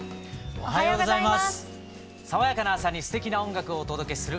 おめでとうございます。